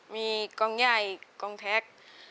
มีกองใหญ่กองแท็ก